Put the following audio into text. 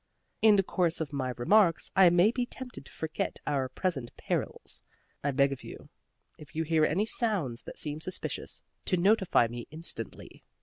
In the course of my remarks I may be tempted to forget our present perils. I beg of you, if you hear any sounds that seem suspicious, to notify me instantly."